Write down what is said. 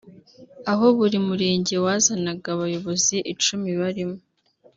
aho buri Murenge wazanaga abayobozi icumi barimo